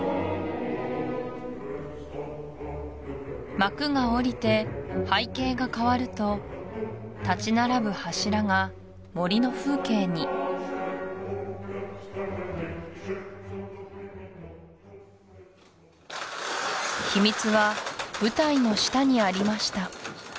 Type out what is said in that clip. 幕が下りて背景が変わると立ち並ぶ柱が森の風景に秘密は舞台の下にありました